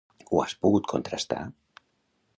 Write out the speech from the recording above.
Ho has pogut contrastar?